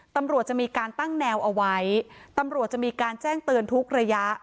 ตำรวจจะมีการตั้งแนวเอาไว้ตำรวจจะมีการแจ้งเตือนทุกระยะ